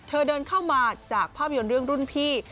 เดินเข้ามาจากภาพยนตร์เรื่องรุ่นพี่